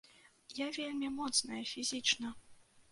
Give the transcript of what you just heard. Я вельмі моцная фізічна!